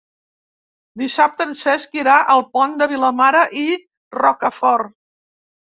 Dissabte en Cesc irà al Pont de Vilomara i Rocafort.